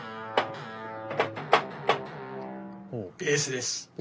ベースです。